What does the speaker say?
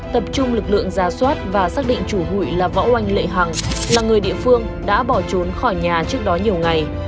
tập trung lực lượng ra soát và xác định chủ hụi là võ oanh lệ hằng là người địa phương đã bỏ trốn khỏi nhà trước đó nhiều ngày